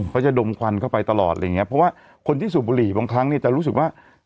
จะดมควันเข้าไปตลอดอะไรอย่างเงี้ยเพราะว่าคนที่สูบบุหรี่บางครั้งเนี่ยจะรู้สึกว่า